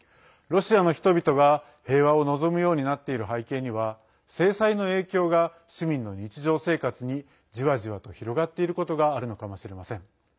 ロシアの人々が平和を望むようになっている背景には制裁の影響が市民の日常生活にじわじわと広がっていることがあるのかもしれません。